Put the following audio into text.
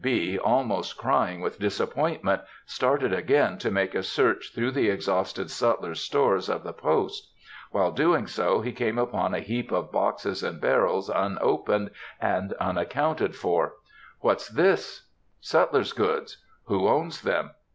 B., almost crying with disappointment, started again to make a search through the exhausted sutlers' stores of the post. While doing so, he came upon a heap of boxes and barrels unopened and "unaccounted for." "What's all this?" "Sutlers' goods." "Who owns them?"